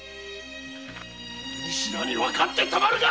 お主らにわかってたまるか！